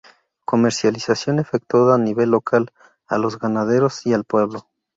Comercialización efectuada a nivel local, a los ganaderos y al pueblo.